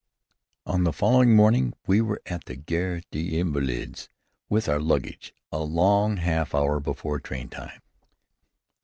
On the following morning, we were at the Gare des Invalides with our luggage, a long half hour before train time.